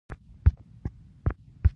د صداقت ژبه د ایمان نښه ده.